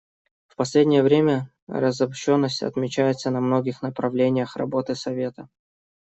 В последнее время разобщенность отмечается на многих направлениях работы Совета.